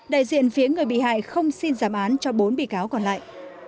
đại diện phía người bị hại không xin giảm án cho bốn bị cáo còn lại